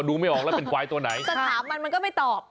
ไม่ออกแล้วเป็นควายตัวไหนจะถามมันมันก็ไม่ตอบ